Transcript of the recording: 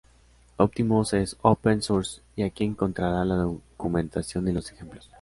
Optimus es OpenSource y aquí encontrará la documentación y los ejemplos.